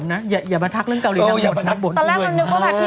ฉันมากลับมาจากเกาหลีน่าใสมากอย่างนี้